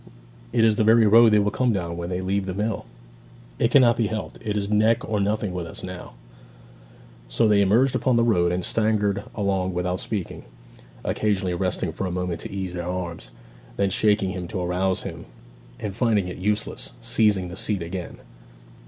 'It is the very road they will come down when they leave the mill.' 'It cannot be helped; it is neck or nothing with us now.' So they emerged upon the road, and staggered along without speaking, occasionally resting for a moment to ease their arms; then shaking him to arouse him, and finding it useless, seizing the seat again.